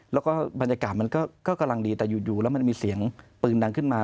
แล้วก็บรรยากาศมันก็กำลังดีแต่อยู่แล้วมันมีเสียงปืนดังขึ้นมา